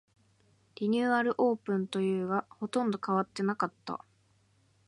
リニューアルオープンというが、ほとんど変わってなかった